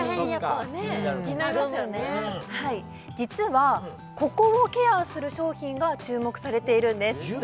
はい実はここをケアする商品が注目されているんです指？